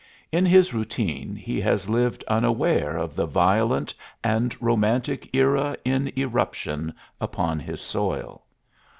In his routine he has lived unaware of the violent and romantic era in eruption upon his soil.